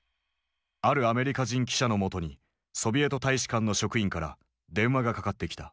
あるアメリカ人記者の元にソビエト大使館の職員から電話がかかってきた。